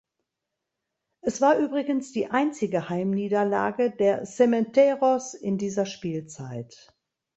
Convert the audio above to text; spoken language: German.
Es war übrigens die einzige Heimniederlage der "Cementeros" in dieser Spielzeit.